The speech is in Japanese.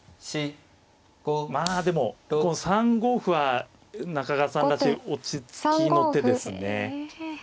まあでもこの３五歩は中川さんらしい落ち着きの手ですね。